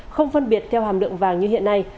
không phân biệt theo hàm lượng vàng như hiện nay